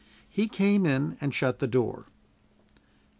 He came in and shut the door.